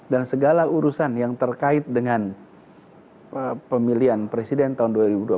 dan segala urusan yang terkait dengan pemilihan presiden tahun dua ribu dua puluh empat